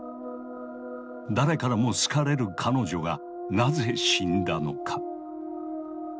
誰からも好かれる彼女がなぜ死んだのか。